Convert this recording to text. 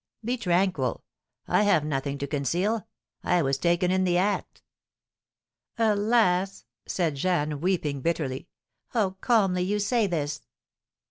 "Be tranquil; I have nothing to conceal. I was taken in the act." "Alas!" said Jeanne, weeping bitterly; "how calmly you say this!"